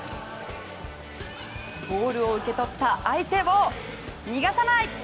ボールを受け取った相手を逃がさない！